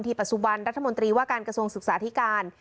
ที่ประสุนวันรัฐมนตรีว่าการกระทรวงศึกษาอธิการ